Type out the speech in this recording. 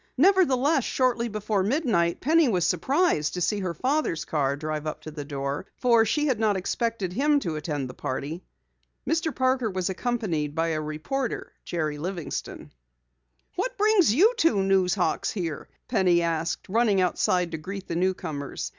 Nevertheless, shortly before midnight, Penny was surprised to see her father's car drive up to the door, for she had not expected him to attend the party. Mr. Parker was accompanied by a reporter, Jerry Livingston. "What brings you two news hawks here?" Penny asked, running outside to greet the newcomers.